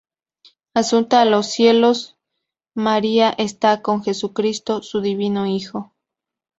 Asunta a los cielos, María está con Jesucristo, su divino hijo.